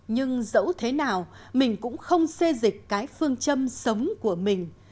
nhưng dẫu thế nào mình cũng không xê dịch cái phương châm sống của mình